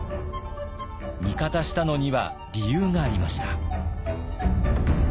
味方したのには理由がありました。